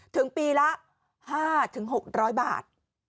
ถึงปีละ๕๖๐๐บาท